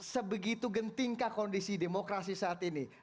sebegitu gentingkah kondisi demokrasi saat ini